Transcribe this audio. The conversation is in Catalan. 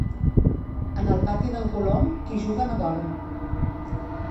En el pati d'en Colom, qui juga no dorm.